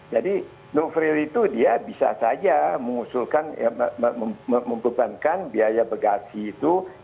jadi no frill itu dia bisa saja mengusulkan membebankan biaya bagasi itu